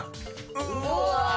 うわ！